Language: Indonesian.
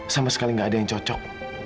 sama sekali nggak ada yang cocok